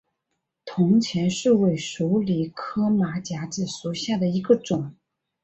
铜钱树为鼠李科马甲子属下的一个种。